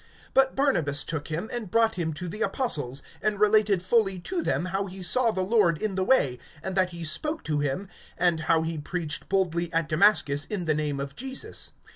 (27)But Barnabas took him, and brought him to the apostles, and related fully to them how he saw the Lord in the way, and that he spoke to him, and how he preached boldly at Damascus in the name of Jesus.